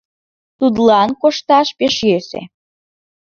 Тудлан кошташ пеш йӧсӧ.